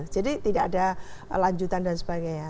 jadi tidak ada lanjutan dan sebagainya